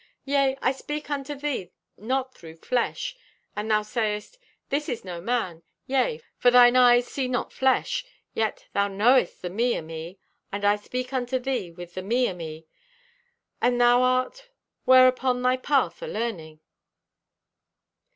"Yea, I speak unto thee not through flesh, and thou sayest: This is no man, yea, for thine eyes see not flesh, yet thou knowest the me o' me, and I speak unto thee with the me o' me. And thou art where upon thy path o' learning!"